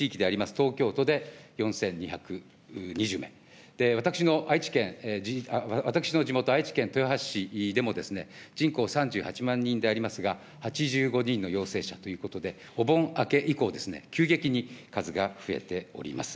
東京都で４２２０名、私の愛知県、私の地元、愛知県豊橋市でもですね、人口３８万人でありますが、８５人の陽性者ということで、お盆明け以降ですね、急激に数が増えております。